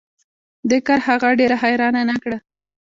دې کار هغه ډیره حیرانه نه کړه